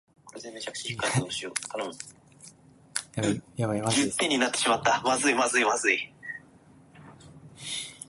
日本の未来はうぉううぉううぉううぉう